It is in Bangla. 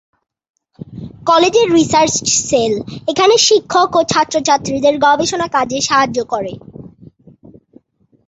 কলেজের রিসার্চ সেল এখানকার শিক্ষক ও ছাত্র-ছাত্রীদের গবেষণা কাজে সাহায্য করে।